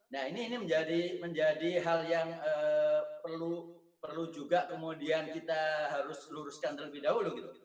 nah ini menjadi hal yang perlu juga kemudian kita harus luruskan terlebih dahulu gitu